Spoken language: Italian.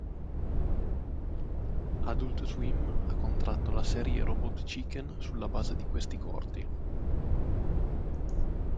Adult Swim ha contratto la serie Robot Chicken, sulla base di questi corti.